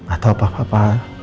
atau apa papa